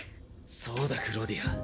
そうだクローディア。